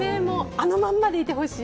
あのままでいてほしい。